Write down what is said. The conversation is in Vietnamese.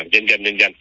dần dần dần dần